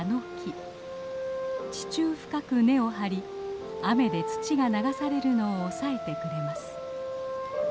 地中深く根を張り雨で土が流されるのを押さえてくれます。